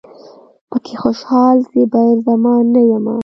پکې خوشال، زبیر زمان نه یمه